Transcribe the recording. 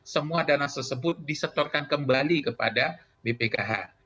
semua dana tersebut disetorkan kembali kepada bpkh